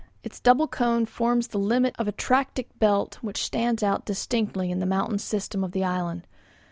Its double cone forms the limit of a trachytic belt which stands out distinctly in the mountain system of the island.